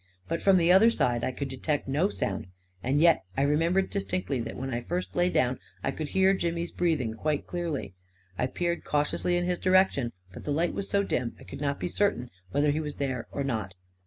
But from the other side I could detect no sound — and yet I remembered distinctly that when I first lay down A KING IN BABYLON 307 I could hear Jimmy's breathing quite clearly. I peered cautiously in his direction; but the light was so dim, I could not be certain whether he was there or not.